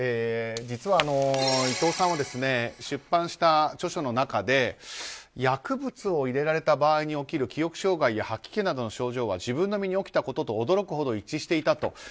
実は、伊藤さんは出版した著書の中で薬物を入れられた場合に起きる記憶障害や吐き気の症状は自分の身に起きたことと驚くほど一致していたと。